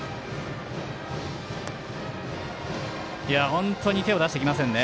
本当に手を出してきませんね。